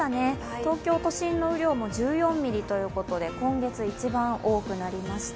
東京都心の雨量も１４ミリということで今月一番多くなりました。